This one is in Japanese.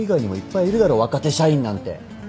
若手社員なんて。